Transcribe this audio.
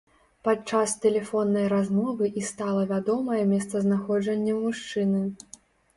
Падчас тэлефоннай размовы і стала вядомае месцазнаходжанне мужчыны.